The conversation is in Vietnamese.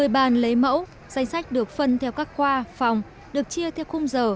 một mươi bàn lấy mẫu danh sách được phân theo các khoa phòng được chia theo khung giờ